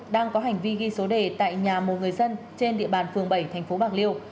đang có hành vi ghi số đề tại nhà một người dân trên địa bàn phường bảy thành phố bạc liêu